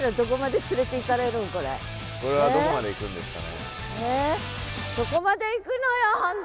これはどこまで行くんですかね？